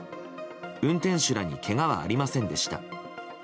運転手らにけがはありませんでした。